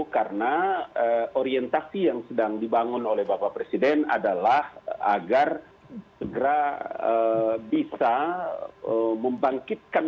karena orientasi yang sedang dibangun oleh bapak presiden adalah agar segera bisa membangkitkan